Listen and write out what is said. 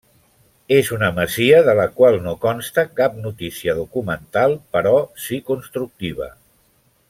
És una masia de la qual no consta cap notícia documental però si constructiva.